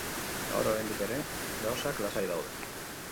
Gaur, oraindik ere, gauzak lasai daude.